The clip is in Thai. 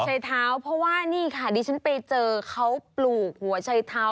ใช้เท้าเพราะว่านี่ค่ะดิฉันไปเจอเขาปลูกหัวชัยเท้า